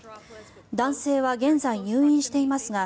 男性は現在、入院していますが